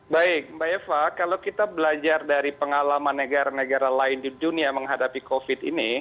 baik mbak eva kalau kita belajar dari pengalaman negara negara lain di dunia menghadapi covid ini